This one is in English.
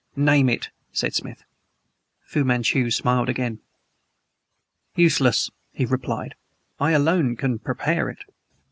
"Name it," said Smith. Fu Manchu smiled again. "Useless," he replied. "I alone can prepare it.